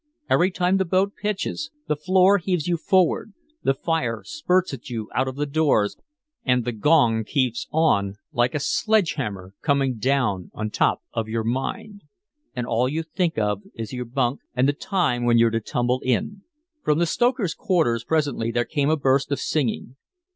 Every time the boat pitches, the floor heaves you forward, the fire spurts at you out of the doors and the gong keeps on like a sledgehammer coming down on top of your mind. And all you think of is your bunk and the time when you're to tumble in." From the stokers' quarters presently there came a burst of singing.